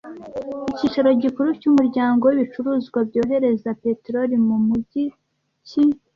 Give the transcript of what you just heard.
Icyicaro gikuru cy’umuryango w’ibicuruzwa byohereza peteroli mu mujyi ki